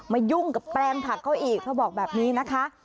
ยุ่งกับแปลงผักเขาอีกเขาบอกแบบนี้นะคะ